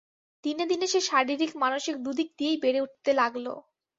দিনে দিনে সে শারীরিক মানসিক দুদিক দিয়েই বেড়ে উঠতে লাগল।